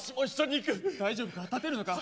大丈夫か？